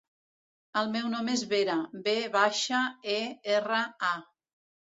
El meu nom és Vera: ve baixa, e, erra, a.